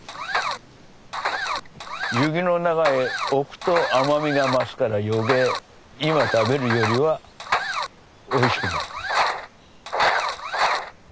雪の中へおくと甘みが増すから余計今食べるよりはおいしくなる。